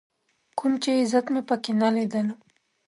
کوم چې عزت مې په کې نه ليدلو.